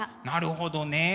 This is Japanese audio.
なるほどね。